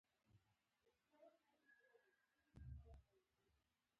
هغه څوک چې د پانګې نشتوالي په پلمه کار نه کوي.